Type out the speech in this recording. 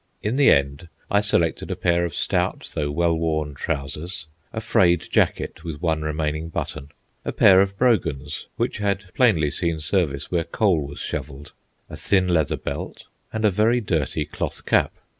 In the end I selected a pair of stout though well worn trousers, a frayed jacket with one remaining button, a pair of brogans which had plainly seen service where coal was shovelled, a thin leather belt, and a very dirty cloth cap.